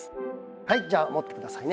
はいじゃあ持ってくださいね。